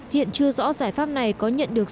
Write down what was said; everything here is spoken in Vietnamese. hiện chưa rõ giải pháp này có nhận được